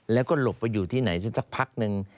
แล้วก็หลบไปอยู่ที่ไหนสักพักนึง